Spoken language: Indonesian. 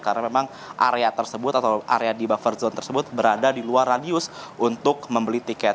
karena memang area tersebut atau area di buffer zone tersebut berada di luar radius untuk membeli tiket